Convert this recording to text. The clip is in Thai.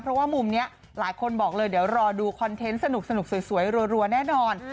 เพราะว่ามุมนี้หลายคนบอกเลยเดี๋ยวรอดูคอนเทนต์สนุกสวยรัวแน่นอน